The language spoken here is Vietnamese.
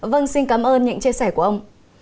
vâng xin cảm ơn những chia sẻ của ông